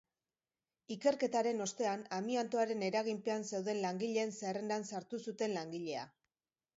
Ikerketaren ostean, amiantoaren eraginpean zeuden langileen zerrendan sartu zuten langilea.